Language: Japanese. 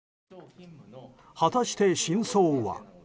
果たして真相は？